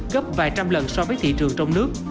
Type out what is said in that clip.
gấp vài trăm lần so với thị trường trong nước